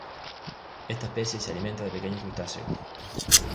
Esta especie se alimenta de pequeños crustáceos.